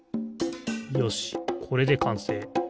よしこれでかんせい。